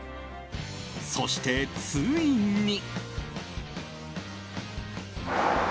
そして、ついに。